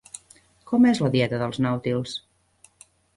Com és la dieta dels nàutils?